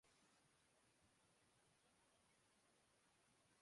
وزارت صنعت نئی گاڑیوں پر بھاری قرضہ لینے کا ںوٹس لے لاہور چیمبر